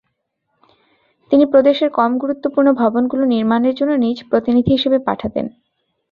তিনি প্রদেশের কম গুরুত্বপূর্ণ ভবনগুলো নির্মাণের জন্য নিজ প্রতিনিধি হিসেবে পাঠাতেন।